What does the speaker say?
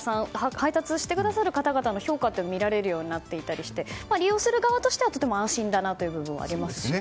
配達してくださる方々の評価が見られるようになっていたりして利用する側としてはとても安心という部分もありますしね。